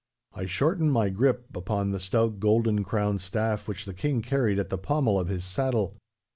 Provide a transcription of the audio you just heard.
I shortened my grip upon the stout golden crowned staff which the King carried at the pommel of his saddle.